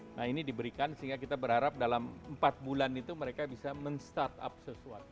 nah ini diberikan sehingga kita berharap dalam empat bulan itu mereka bisa men startup sesuatu